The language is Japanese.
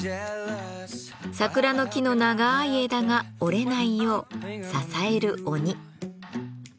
桜の木の長い枝が折れないよう支える鬼。